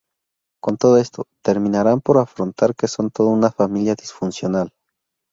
Con todo esto, terminarán por afrontar que son toda una familia disfuncional.